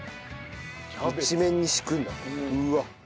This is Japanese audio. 一面に敷くんだって。